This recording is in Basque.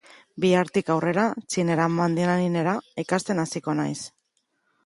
Bihartik aurrera txinera, mandarinera, ikasten hasiko naiz.